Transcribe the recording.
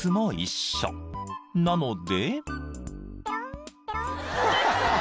［なので］